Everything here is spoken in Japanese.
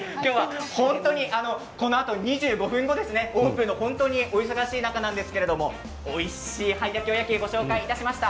このあと２５分後、オープンの前お忙しい中なんですがおいしい灰焼きおやきをご紹介しました。